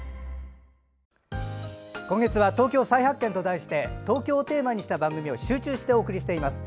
今月は「＃東京再発見」と題して東京をテーマにした番組を集中してお送りしています。